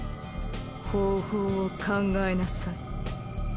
方法を考えなさい。